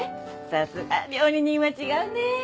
さすが料理人は違うね。